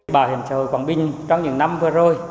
bảo hiểm xã hội quảng bình trong những năm vừa rồi